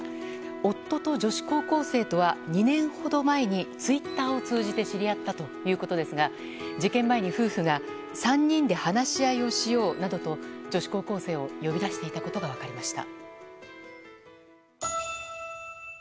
夫と女子高校生とは２年ほど前にツイッターを通じて知り合ったということですが事件前に夫婦が３人で話し合いを使用などと女子高校生を呼び出していたことが分かりました。